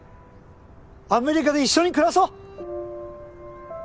アメリカで一緒に暮らそう！